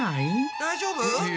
大丈夫？